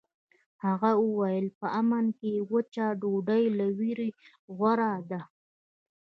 هغه وویل په امن کې وچه ډوډۍ له ویرې غوره ده.